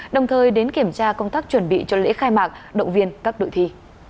đồng thời đến kiểm tra công tác chuẩn bị cho lễ khai mạc động viên các đội thi